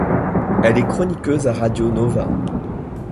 Elle est chroniqueuse à Radio Nova.